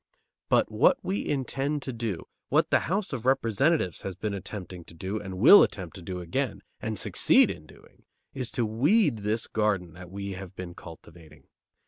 But what we intend to do, what the House of Representatives has been attempting to do and will attempt to do again, and succeed in doing, is to weed this garden that we have been cultivating.